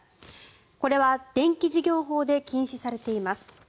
これは電気事業法で禁止されています。